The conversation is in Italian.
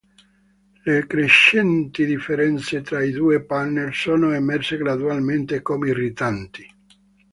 Le crescenti differenze tra i due partner sono emerse gradualmente come irritanti.